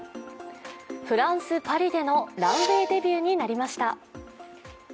フランス・パリでのランウェイデビューになりました。